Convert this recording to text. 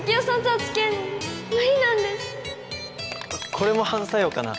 これも反作用かな？